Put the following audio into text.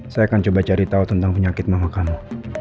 saya akan coba cari tahu tentang penyakit mama kamu